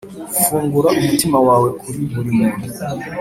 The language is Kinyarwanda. fungura umutima wawe kuri buri muntu